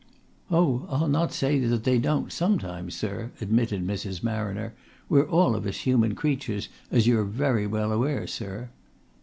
"Oh, I'll not say that they don't, sometimes, sir," admitted Mrs. Marriner. "We're all of us human creatures, as you're very well aware, sir."